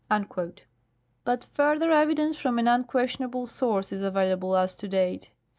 But further evidence from an unquestionable source is available as to date.